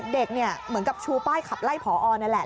เด็กเนี่ยเหมือนกับชูป้ายขับไล่ผอนี่แหละ